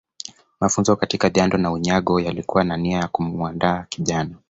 Mafunzo katika jando na unyago yalikuwa na nia ya kumuandaa kijana